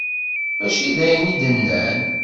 Mačči d ayen i d-nnan.